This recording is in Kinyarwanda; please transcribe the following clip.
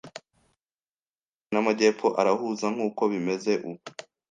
amajyaruguru namajyepfo arahuza nkuko bimeze ubu